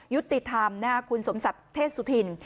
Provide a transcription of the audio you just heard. ยุติธรรมคุณสมศักดิ์เทศสุธิน